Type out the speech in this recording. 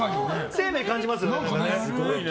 生命感じますよね。